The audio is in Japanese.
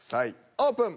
オープン。